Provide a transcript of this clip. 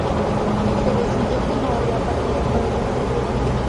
Se decidió que no habría partido por el tercer lugar.